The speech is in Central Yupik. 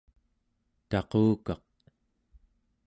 taqukaq